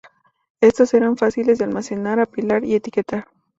Estos eran fáciles de almacenar, apilar y etiquetar.